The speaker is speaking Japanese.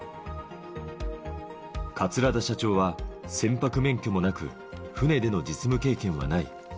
桂田社長は、船舶免許もなく、船での実務経験はない。